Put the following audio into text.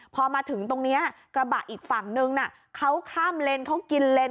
พอมาถึงตรงนี้กระบะอีกฝั่งนึงเขาข้ามเลนเขากินเลน